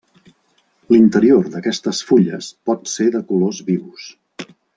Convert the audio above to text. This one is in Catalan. L'interior d'aquestes fulles pot ser de colors vius.